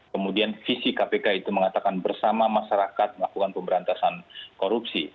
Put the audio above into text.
kemudian visi kpk itu mengatakan bersama masyarakat melakukan pemberantasan korupsi